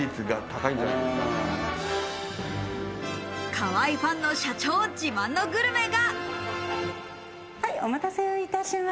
河合さんの社長自慢のグルメが。